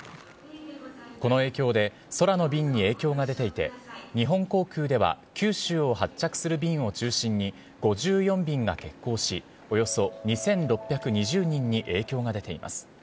この影響で空の便に影響が出ていて、日本航空では九州を発着する便を中心に、５４便が欠航し、およそ２６２０人に影響が出ています。